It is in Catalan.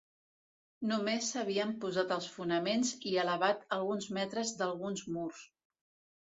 Només s'havien posat els fonaments i elevat alguns metres d'alguns murs.